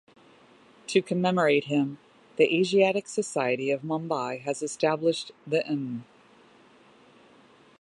To commemorate him, the Asiatic Society of Mumbai has established the Mm.